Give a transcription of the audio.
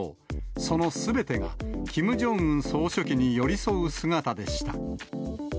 そのすべてが、キム・ジョンウン総書記に寄り添う姿でした。